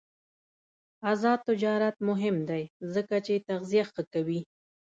آزاد تجارت مهم دی ځکه چې تغذیه ښه کوي.